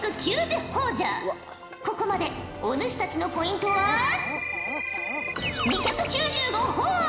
ここまでお主たちのポイントは２９５ほぉ。